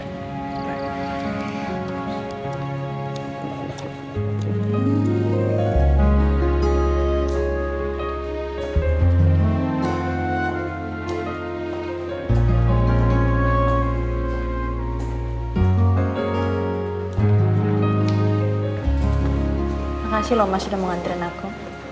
terima kasih loh mas udah mengantarin aku